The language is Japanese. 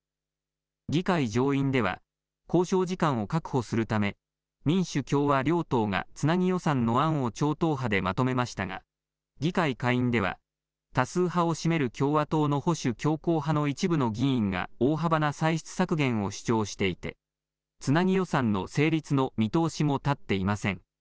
議会上院では交渉時間を確保するため民主・共和両党がつなぎ予算の案を超党派でまとめましたが議会下院では多数派を占める共和党の保守強硬派の一部の議員が大幅な歳出削減を主張していてつなぎ予算の成立の見通しも立っていません。